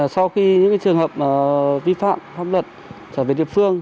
sau khi những trường hợp vi phạm pháp luật trở về địa phương